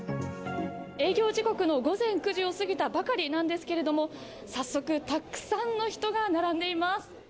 営業時刻の午前９時を過ぎたばかりなんですけれども、早速たくさんの人が並んでいます。